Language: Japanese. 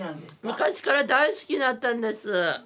昔から大好きだったんです。